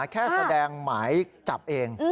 แค่แสดงหมายจับเอง